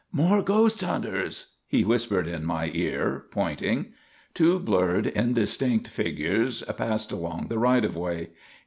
"More ghost hunters," he whispered in my ear, pointing. Two blurred, indistinct figures passed along the right of way.